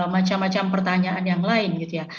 macam macam pertanyaan yang lain gitu ya